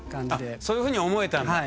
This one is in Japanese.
あそういうふうに思えたんだ。